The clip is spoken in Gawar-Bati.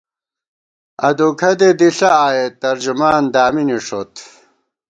ادوکھدے دِݪہ آئیېت ، ترجمان دامی نِݭوت